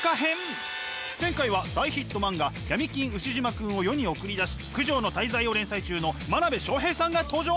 前回は大ヒット漫画「闇金ウシジマくん」を世に送り出し「九条の大罪」を連載中の真鍋昌平さんが登場！